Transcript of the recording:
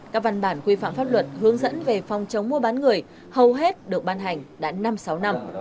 các văn bản quy phạm pháp luật hướng dẫn về phòng chống mua bán người hầu hết được ban hành đã năm sáu năm